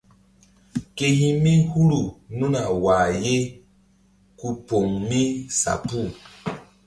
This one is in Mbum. Ke hi̧ mi huru nunu a wah ye ku poŋ mi sa puh.